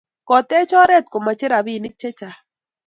Ketech oret komache rapinik che chang